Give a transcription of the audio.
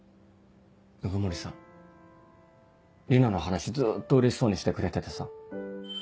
鵜久森さん里奈の話ずっとうれしそうにしてくれててさ。